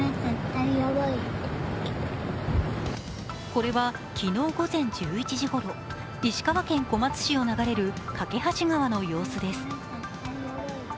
これは昨日午前１１時ごろ、石川県小松市を流れる梯川の様子です。